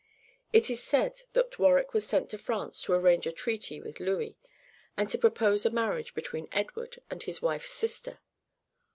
It is said that Warwick was sent to France to arrange a treaty with Louis, and to propose a marriage between Edward and his wife's sister.